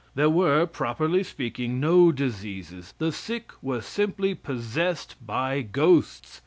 There were, properly speaking, no diseases; the sick were simply possessed by ghosts.